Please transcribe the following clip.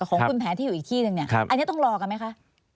ของคุณแผนที่อยู่อีกที่หนึ่งเนี่ยอันนี้ต้องรอกันไหมคะ